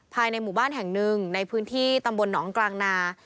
ภายในหมู่บ้านแห่งหนึ่งในพื้นที่ตำบลหนองกลางนา